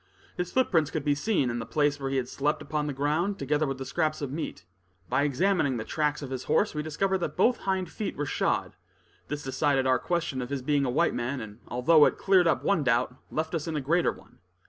His footprints could be seen, and the place where he had slept upon the ground, together with the scraps of meat. By examining the tracks of his horse, we discovered that both hind feet were shod; this decided our question of his being a white man; and although it cleared up one doubt, left us in a greater one.